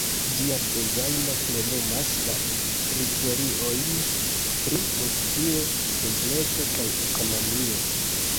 Ĝia dezajno plenumas la kriteriojn pri funkcio, simpleco kaj ekonomio.